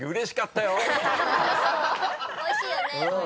おいしいよね。